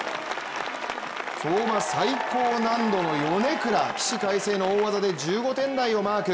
跳馬最高難度のヨネクラ起死回生の大技で１５点台をマーク。